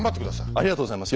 ありがとうございます。